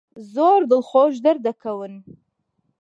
زۆر دڵخۆش دەردەکەون.